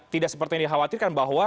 tidak seperti yang dikhawatirkan bahwa